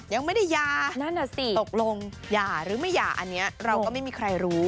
ยังไม่ได้หย่านั่นน่ะสิตกลงหย่าหรือไม่หย่าอันนี้เราก็ไม่มีใครรู้